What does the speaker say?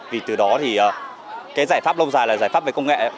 vì từ đó thì cái giải pháp lâu dài là giải pháp về công nghệ